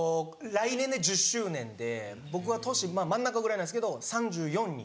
来年で１０周年で僕は年真ん中ぐらいなんですけど３４に。